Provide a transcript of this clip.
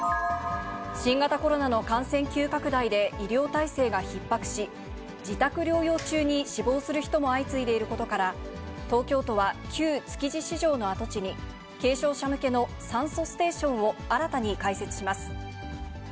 新型コロナの感染急拡大で、医療体制がひっ迫し、自宅療養中に死亡する人も相次いでいることから、東京都は旧築地市場の跡地に、軽症者向けの酸素ステーションを新たに開設します。